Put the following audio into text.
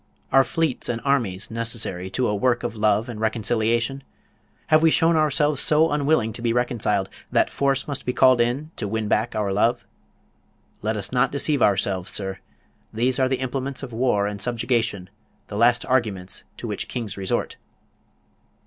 Are fleets and armies necessary to a work of love and reconciliation? Have we shown ourselves so unwilling to be reconciled, that force must be called in to win back our love? Let us not deceive ourselves, sir. These are the implements of war and subjugation, the last "arguments" to which kings resort.